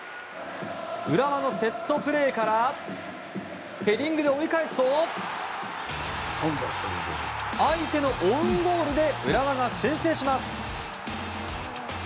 浦和のセットプレーからヘディングで折り返すと相手のオウンゴールで浦和が先制します。